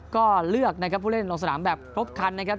ก็เลือกนะครับผู้เล่นลงสนามแบบครบคันนะครับ